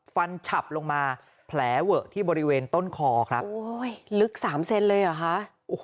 ฉับลงมาแผลเวอะที่บริเวณต้นคอครับโอ้ยลึกสามเซนเลยเหรอคะ